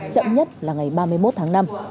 chậm nhất là ngày ba mươi một tháng năm